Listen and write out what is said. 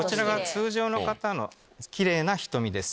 通常の方のキレイな瞳です。